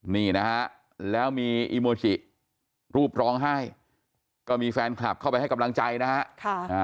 นี่นะฮะแล้วมีอีโมจิรูปร้องไห้ก็มีแฟนคลับเข้าไปให้กำลังใจนะฮะ